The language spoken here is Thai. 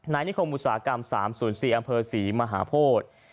ในนิคมุษากรรม๓๐๔อำเภอ๔มหาโพธิ